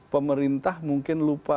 pemerintah mungkin lupa